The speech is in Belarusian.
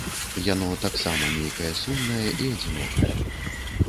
Яно таксама нейкае сумнае і адзінокае.